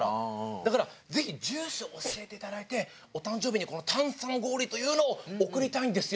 だからぜひ住所を教えていただいてお誕生日に炭酸氷というのを送りたいんですよ。